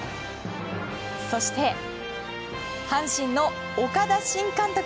そして阪神の岡田新監督。